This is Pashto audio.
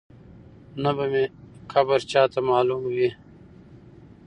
نه به مي قبر چاته معلوم وي